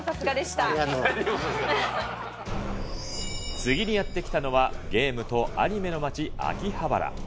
次にやって来たのは、ゲームとアニメの街、秋葉原。